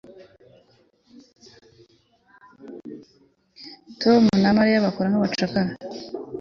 Tom na Mariya bakoraga nkabacakara